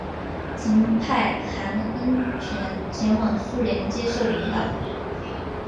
曾派韩亨权前往苏联接受领导。